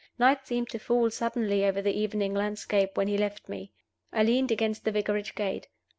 Night seemed to fall suddenly over the evening landscape when he left me. I leaned against the Vicarage gate.